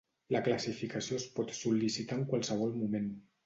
La classificació es pot sol·licitar en qualsevol moment.